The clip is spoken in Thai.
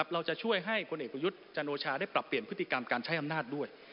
เราจะช่วยให้พลเอกประยุทธ์จันโอชาได้ปรับเปลี่ยนพฤติกรรมการใช้อำนาจด้วย